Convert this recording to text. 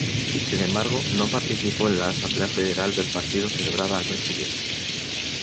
Sin embargo, no participó en la asamblea federal del partido celebrada al mes siguiente.